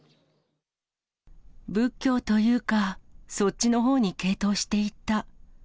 仏教というか、そっちのほうに傾倒していった。